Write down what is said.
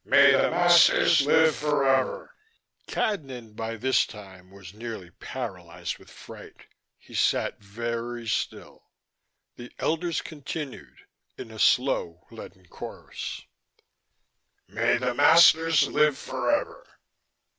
"May the masters live forever." Cadnan, by this time, was nearly paralyzed with fright. He sat very still. The elders continued, in a slow, leaden chorus: "May the masters live forever.